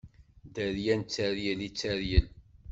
Dderya n tteryel i tteryel!